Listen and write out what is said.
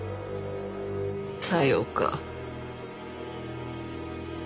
さようか。